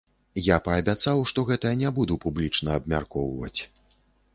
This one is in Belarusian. Я паабяцаў, што гэта не буду публічна абмяркоўваць.